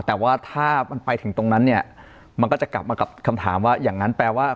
แต่ว่าถ้ามันไปถึงตรงนั้นเนี่ยมันก็จะกลับมากับคำถามว่าอย่างนั้นแปลว่า